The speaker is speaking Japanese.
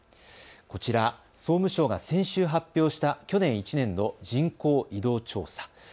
こちら、総務省が先週発表した去年１年の人口移動調査。